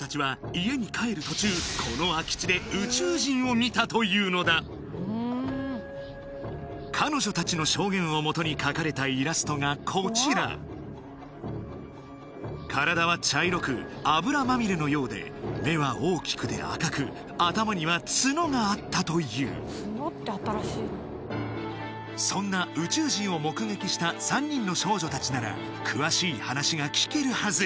家に帰る途中この空き地で宇宙人を見たというのだ彼女たちの証言をもとに描かれたイラストがこちら体は茶色く油まみれのようで目は大きくて赤く頭には角があったというそんな宇宙人を目撃した３人の少女たちなら詳しい話が聞けるはず